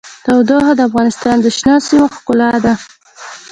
تودوخه د افغانستان د شنو سیمو ښکلا ده.